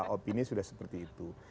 opini sudah seperti itu